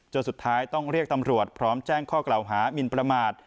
สุดท้ายต้องเรียกตำรวจพร้อมแจ้งข้อกล่าวหามินประมาท